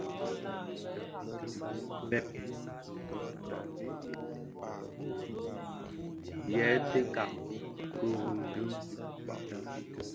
Bêp inê i tèka kibàm yêê tèka kurundùng.